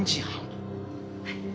はい。